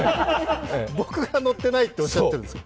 僕が乗ってないっておっしゃってるんですか。